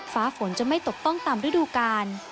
ฟ้าฝนจะไม่ตกต้องตามฤดูกาล